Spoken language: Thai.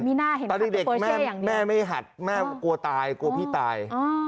ตอนเด็กแม่ไม่หัดแม่กลัวตายกลัวพี่ตาย